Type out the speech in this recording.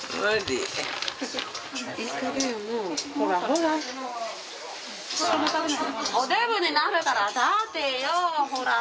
おデブになるから立てよほら。